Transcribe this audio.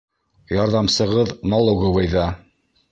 Ярҙамсығыҙ налоговыйҙа.